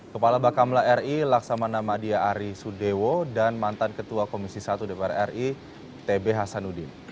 kepala bakamla ri laksamana madia ari sudewo dan mantan ketua komisi satu dpr ri tb hasanuddin